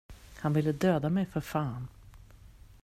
Han ville döda mig, för fan!